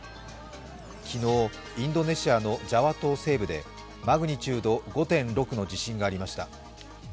昨日、インドネシアのジャワ島西部でマグニチュード５．６の地震がありました。